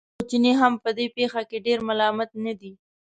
خو چینی هم په دې پېښه کې ډېر ملامت نه دی.